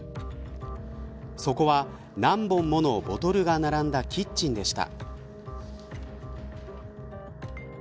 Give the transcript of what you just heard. そこは、何本ものボトルが並んだキッチンでした。